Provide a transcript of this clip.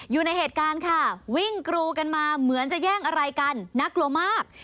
อยู่ในเหตุการณ์ค่ะวิ่งกรูกันมาเหมือนจะแย่งอะไรกันน่ากลัวมาก